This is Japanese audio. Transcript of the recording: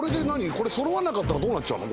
これ揃わなかったらどうなっちゃうの？